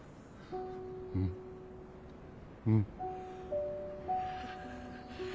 うんうん。